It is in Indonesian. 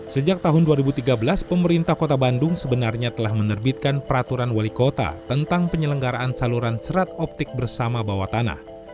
sejak tahun dua ribu tiga belas pemerintah kota bandung sebenarnya telah menerbitkan peraturan wali kota tentang penyelenggaraan saluran serat optik bersama bawah tanah